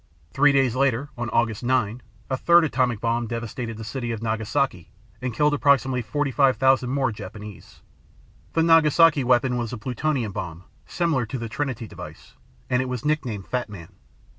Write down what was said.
Three days later on August 9, a third atomic bomb devastated the city of Nagasaki and killed approximately 45,000 more Japanese. The Nagasaki weapon was a plutonium bomb, similar to the Trinity device, and it was nicknamed Fat Man.